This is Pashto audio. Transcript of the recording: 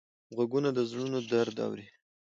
غوږونه د زړونو درد اوري